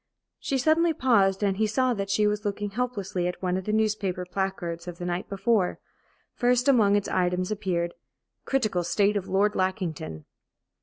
She suddenly paused, and he saw that she was looking helplessly at one of the newspaper placards of the night before. First among its items appeared: "Critical state of Lord Lackington."